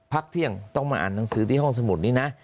พักเที่ยงต้องมาอ่านหนังสือที่ห้องสมุดนี้นะ